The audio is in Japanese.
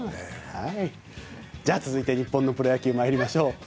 じゃあ、続いて日本のプロ野球に参りましょう。